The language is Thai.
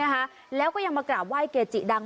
นะคะแล้วก็ยังมากราบไห้เกจิดัง